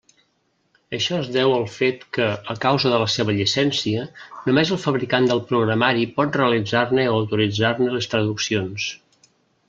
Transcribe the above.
Això es deu al fet que, a causa de la seva llicència, només el fabricant del programari pot realitzar-ne o autoritzar-ne les traduccions.